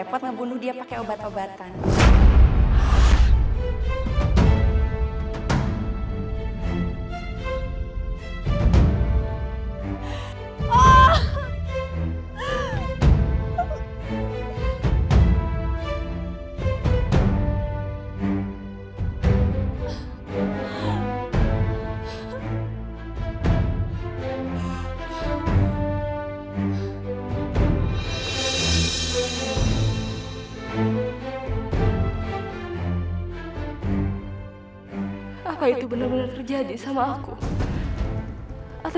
kok kamu ngeliatnya gitu banget sih